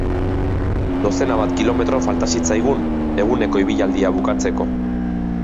Dozena bat kilometro falta zitzaigun eguneko ibilaldia bukatzeko.